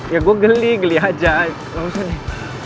ya gue geli geli aja gak usah nih